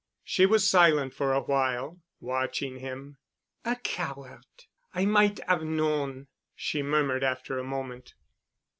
She was silent for a while, watching him. "A coward! I might 'ave known," she murmured after a moment.